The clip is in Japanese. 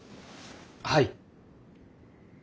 はい。